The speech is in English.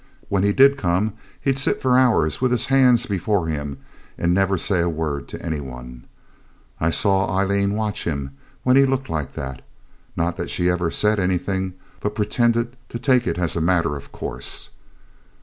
When he did come he'd sit for hours with his hands before him and never say a word to any one. I saw Aileen watch him when he looked like that, not that she ever said anything, but pretended to take it as a matter of course.